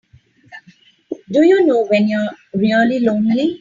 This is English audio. Do you know when you're really lonely?